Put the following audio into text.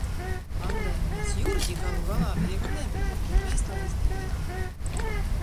Pandēmijas jurģi galu galā, viegli nebija, bet mēs to izdarījām.